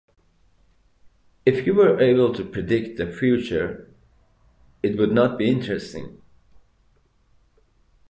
If you were able to predict the future, it would not be interesting.